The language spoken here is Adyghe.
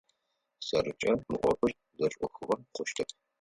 Сэркӏэ мы ӏофыр зэшӏохыгъэ хъущтэп.